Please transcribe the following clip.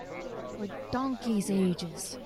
For donkeys' ages.